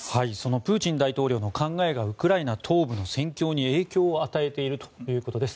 プーチン大統領の考えがウクライナ東部の戦況に影響を与えているということです。